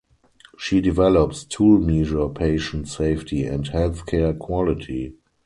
She develops tool measure patient safety and healthcare quality.